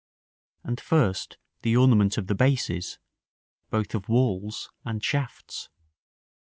And, first, the ornament of the bases, both of walls and shafts.